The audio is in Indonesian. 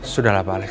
sudahlah pak alex